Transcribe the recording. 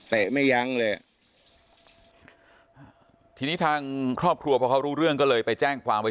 ไม่ยั้งเลยทีนี้ทางครอบครัวพอเขารู้เรื่องก็เลยไปแจ้งความไว้